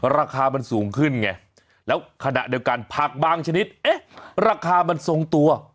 ราคามันสูงขึ้นไงแล้วขณะเดียวกันผักบางชนิดเอ๊ะราคามันทรงตัว